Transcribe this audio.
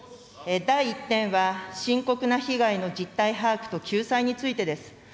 第１点は、深刻な被害の実態把握と救済についてです。